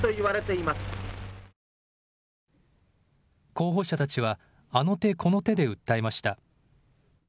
候補者たちはあの手この手で訴えました。